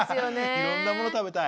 いろんなもの食べたい。